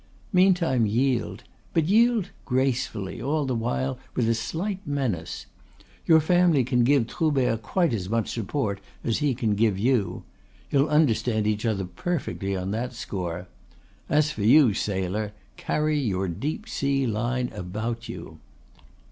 Meantime yield, but yield gracefully, all the while with a slight menace. Your family can give Troubert quite as much support as he can give you. You'll understand each other perfectly on that score. As for you, sailor, carry your deep sea line about you."